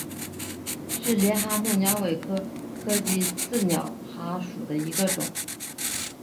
是帘蛤目鸟尾蛤科棘刺鸟蛤属的一种。